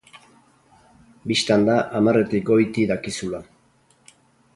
Bistan da hamarretik goiti dakizula!